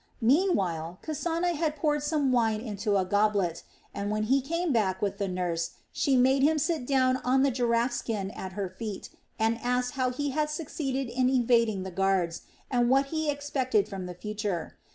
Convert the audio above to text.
Meanwhile Kasana had poured some wine into a goblet, and when he came back with the nurse she made him sit down on the giraffe skin at her feet and asked how he had succeeded in evading the guards, and what he expected from the future.